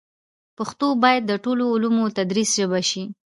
پښتو باید د ټولو علومو د تدریس ژبه شي.